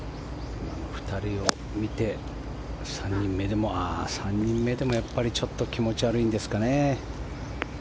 ２人を見て３人目でもああ、３人目でもちょっと気持ち悪いんですかね。